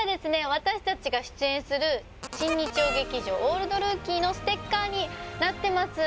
私たちが出演する新日曜劇場「オールドルーキー」のステッカーになってます